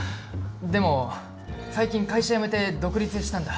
でも最近会社辞めて独立したんだ。